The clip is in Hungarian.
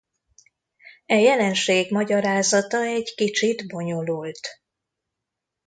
E jelenség magyarázata egy kicsit bonyolult.